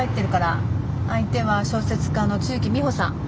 相手は小説家の露木美帆さん。